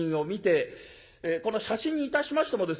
この写真にいたしましてもですよ